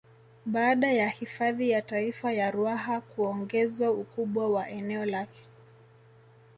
Baada ya hifadhi ya Taifa ya Ruaha kuongezwa ukubwa wa eneo lake